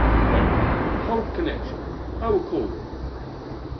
"Wait. Hold connection. I will call them."